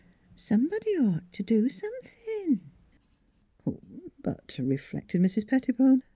. Some body 'd ought t' do somethin'." But (reflected Mrs. Pettibone) M.